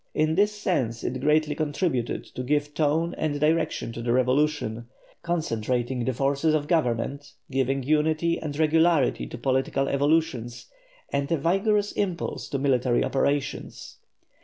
In this sense it greatly contributed to give tone and direction to the revolution, concentrating the forces of government, giving unity and regularity to political evolutions, and a vigorous impulse to military operations.